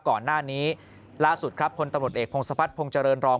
ก่อนหน้านี้ล่าสุดครับพลตำรวจเอกพงศพัฒนภงเจริญรอง